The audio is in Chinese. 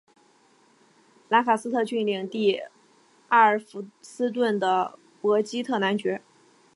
兰卡斯特郡领地阿尔弗斯顿的伯基特男爵。